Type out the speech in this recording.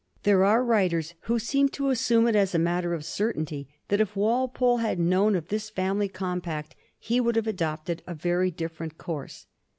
There are writers who seem to assume it as a matter of certainty that. if Walpole had known of this family compact he would have adopted a very different course.